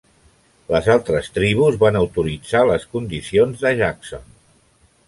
Les altres tribus van autoritzar les condicions de Jackson.